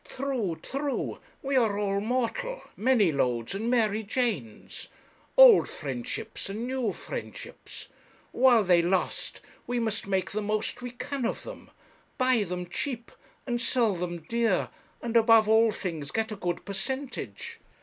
'True, true we are all mortal Manylodes and Mary Janes; old friendships and New Friendships: while they last we must make the most we can of them; buy them cheap and sell them dear; and above all things get a good percentage.'